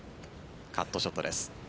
カットショットです。